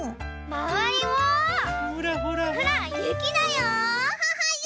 まわりもほらゆきだよ！